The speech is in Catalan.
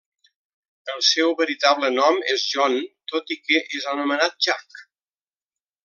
El seu veritable nom és John, tot i que és anomenat Jack.